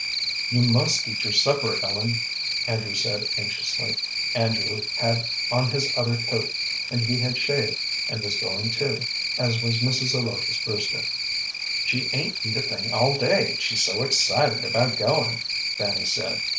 "You must eat your supper, Ellen," Andrew said, anxiously. Andrew had on his other coat, and he had shaved, and was going too, as was Mrs. Zelotes Brewster. "She 'ain't eat a thing all day, she's so excited about goin'," Fanny said.